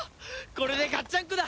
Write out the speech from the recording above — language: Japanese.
これでガッチャンコだ！